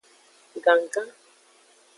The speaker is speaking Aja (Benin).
Gangan.